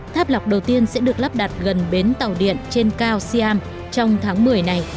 tháp lọc đầu tiên sẽ được lắp đặt gần bến tàu điện trên cao siam trong tháng một mươi này